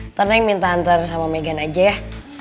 ntar neng minta anter sama megan aja ya